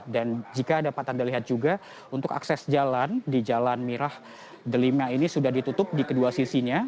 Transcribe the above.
jika dapat anda lihat juga untuk akses jalan di jalan mirah delima ini sudah ditutup di kedua sisinya